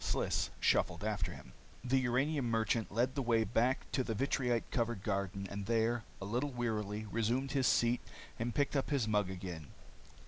Sliss shuffled after him. The uranium merchant led the way back to the vitrite covered garden and there, a little wearily, resumed his seat and picked up his mug again.